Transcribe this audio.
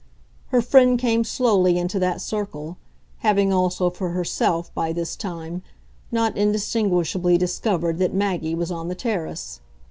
Her friend came slowly into that circle having also, for herself, by this time, not indistinguishably discovered that Maggie was on the terrace.